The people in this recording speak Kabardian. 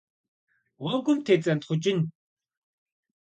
Гъуэгум тецӀэнтхъукӀын.